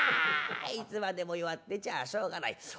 いつまでも弱ってちゃあしょうがない。